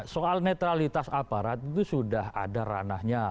soal netralitas aparat itu sudah ada ranahnya